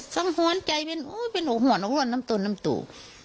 สังหวานใจเป็นโอ๊ยเป็นหวานของหน้าทนน้ำตู